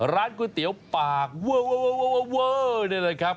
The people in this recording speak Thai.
ร้านก๋วยเตี๋ยวปากเวอร์นี่แหละครับ